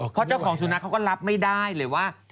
เพราะเจ้าของสุนัขเขาก็รับไม่ได้เลยว่า